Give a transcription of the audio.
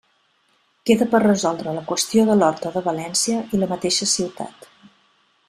Queda per resoldre la qüestió de l'Horta de València i la mateixa ciutat.